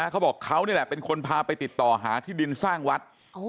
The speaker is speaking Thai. เขาบอกเขานี่แหละเป็นคนพาไปติดต่อหาที่ดินสร้างวัด